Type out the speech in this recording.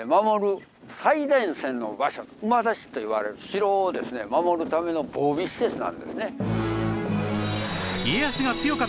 馬出しといわれる城をですね守るための防備施設なんですね。